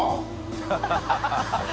ハハハ